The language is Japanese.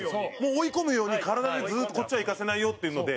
追い込むように、体で、ずっとこっちは行かせないよっていうので。